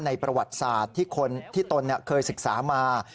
ประวัติศาสตร์ที่ตนเคยศึกษามา